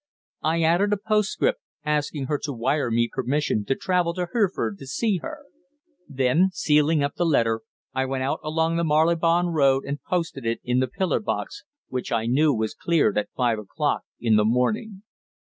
I added a postscript, asking her to wire me permission to travel down to Hereford to see her; then, sealing up the letter, I went out along the Marylebone Road and posted it in the pillar box, which I knew was cleared at five o'clock in the morning.